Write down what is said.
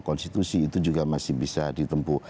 konstitusi itu juga masih bisa ditempuh